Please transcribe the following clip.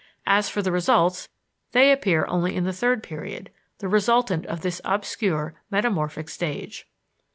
As for the results, they appear only in the third period, the resultant of this obscure, metamorphic stage.